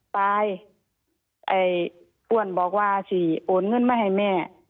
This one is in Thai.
ตายอ้วนบอกว่าสิโอนเงินมาให้แม่